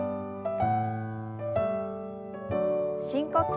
深呼吸。